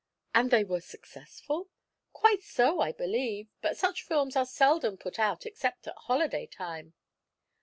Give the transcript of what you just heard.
"And were they successful?" "Quite so, I believe; but such films are seldom put out except at holiday time."